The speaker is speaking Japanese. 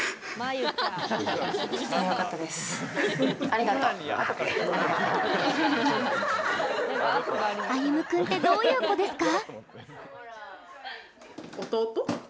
あゆむ君ってどういう子ですか？